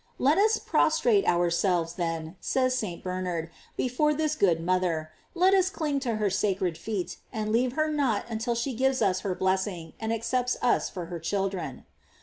* Let us prostrate ourselves, then, says St. Bernard, before this good mother, let us cling to her sacred feet, and leave her not until she gives us her blessing, and accepts us for her children.